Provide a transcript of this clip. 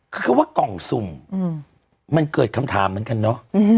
คือว่ากล่องสุ่มมันเกิดคำถามเหมือนกันเนาะ